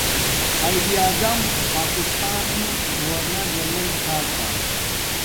قایداعظم پاکستانݵ گورونر جنرنل چھا کا